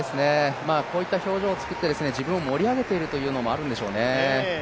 こういった表情を作って、自分を盛り上げているというのもあるんでしょうね。